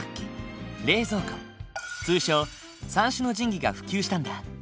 通称三種の神器が普及したんだ。